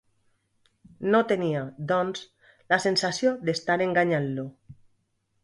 No tenia, doncs, la sensació d'estar enganyant-lo.